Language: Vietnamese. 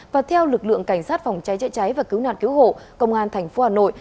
và theo lực lượng cảnh sát phòng cháy chữa cháy và cứu nạn cứu hộ công an thành phố hà nội